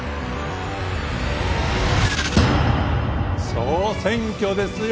総選挙ですよ。